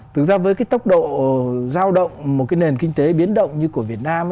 thực ra với cái tốc độ giao động một cái nền kinh tế biến động như của việt nam